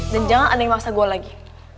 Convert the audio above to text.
dan jangan ada yang maksa gue lagi